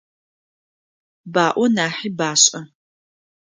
Баӏо нахьи башӏэ.